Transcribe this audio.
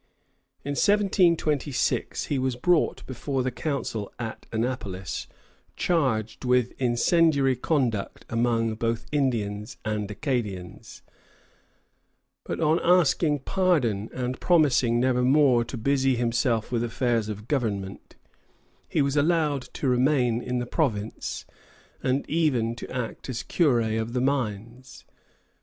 " In 1726 he was brought before the Council at Annapolis charged with incendiary conduct among both Indians and Acadians; but on asking pardon and promising nevermore to busy himself with affairs of government, he was allowed to remain in the province, and even to act as curé of the Mines.